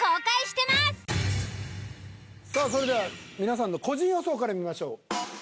それでは皆さんの個人予想から見ましょう。